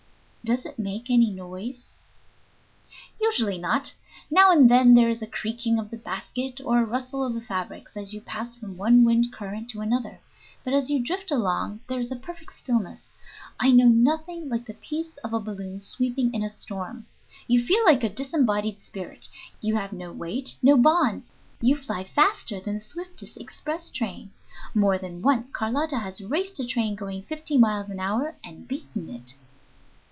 "Does it make any noise?" "Usually not. Now and then there is a creaking of the basket or a rustle of fabric, as you pass from one wind current to another, but as you drift along there is perfect stillness. I know nothing like the peace of a balloon sweeping in a storm. You feel like a disembodied spirit. You have no weight, no bonds; you fly faster than the swiftest express train. More than once Carlotta has raced a train going fifty miles an hour and beaten it."